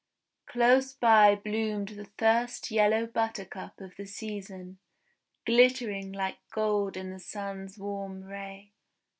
Close by bloomed the first yellow Buttercup of the season, glittering like gold in the Sun's warm ray.